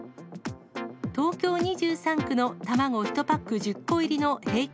東京２３区の卵１パック１０個入りの平均